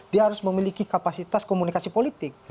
dia harus memiliki kapasitas komunikasi politik